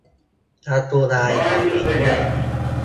การ์ตูนอะไร ขอลิงก์ด้วย